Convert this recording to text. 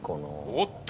おっと！